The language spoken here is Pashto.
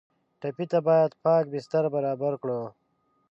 ټپي ته باید پاک بستر برابر کړو.